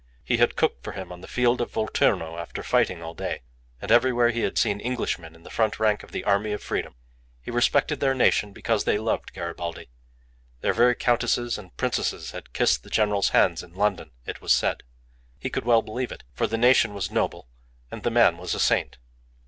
He had cooked for him on the field of Volturno after fighting all day. And everywhere he had seen Englishmen in the front rank of the army of freedom. He respected their nation because they loved Garibaldi. Their very countesses and princesses had kissed the general's hands in London, it was said. He could well believe it; for the nation was noble, and the man was a saint.